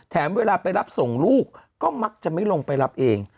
เวลาไปรับส่งลูกก็มักจะไม่ลงไปรับเอง